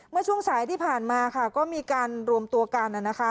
เมื่อช่วงสายที่ผ่านมาค่ะก็มีการรวมตัวกันนะคะ